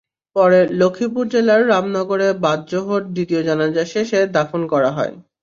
পরে লক্ষ্মীপুর জেলার রামনগরে বাদ জোহর দ্বিতীয় জানাজা শেষে দাফন করা হয়।